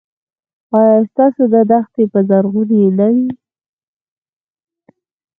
ایا ستاسو دښتې به زرغونې نه وي؟